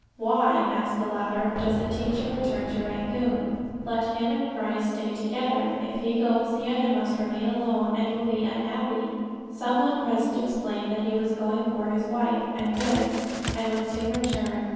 "Why," asked the latter, "does the teacher return to Rangoon? let him and Price stay together. If one goes, the other must remain alone, and will be unhappy." Some one present explained that he was going for his wife and goods, and would soon return.